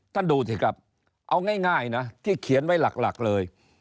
ดูสิครับเอาง่ายนะที่เขียนไว้หลักเลย